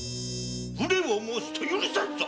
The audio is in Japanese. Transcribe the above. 無礼を申すと許さんぞ。